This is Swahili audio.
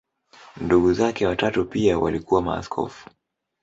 Ndugu zake watatu pia walikuwa maaskofu.